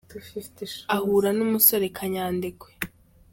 ahura n'umusore kanyandekwe.